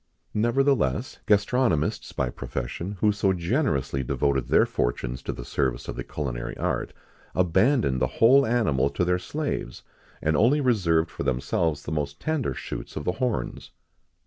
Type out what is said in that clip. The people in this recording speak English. [XIX 52] Nevertheless, gastronomists by profession, who so generously devoted their fortunes to the service of the culinary art, abandoned the whole animal to their slaves, and only reserved for themselves the most tender shoots of the horns.